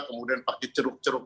kemudian pakai ceruk ceruk